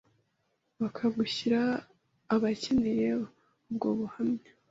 bakabushyira abakeneye ubwo buhamya.